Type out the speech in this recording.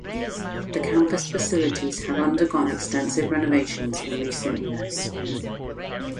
The campus facilities have undergone extensive renovations in recent years.